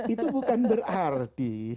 itu bukan berarti